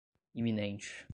iminente